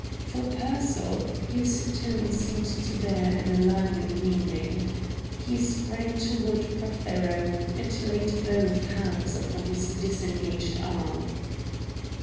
For Pearsall, his tone seemed to bear an alarming meaning. He sprang toward Prothero, and laid both hands upon his disengaged arm.